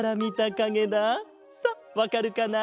さあわかるかな？